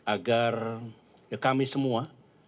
agar kami semua